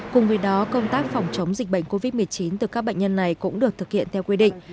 cùng với đó công tác phòng chống dịch bệnh covid một mươi chín từ các bệnh nhân này cũng được thực hiện theo quy định